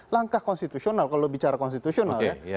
langkah konstitusional kalau bicara konstitusional ya